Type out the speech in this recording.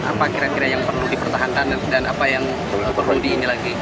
apa kira kira yang perlu dipertahankan dan apa yang berhenti ini lagi